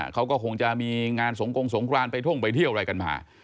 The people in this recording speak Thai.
เขาก็คงจะมีงานสงกงสงครานไปท่องไปเที่ยวอะไรกันมา